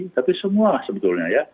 tapi semua sebetulnya ya